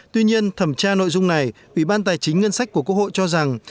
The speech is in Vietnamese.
tuy nhiên thẩm tra nội dung này ủy ban tài chính ngân sách của quốc hội cho rằng